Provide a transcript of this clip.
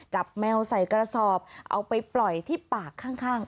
แมวใส่กระสอบเอาไปปล่อยที่ปากข้าง